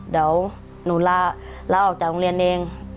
เดี๋ยวหนูลาออกจากโรงเรียนเอง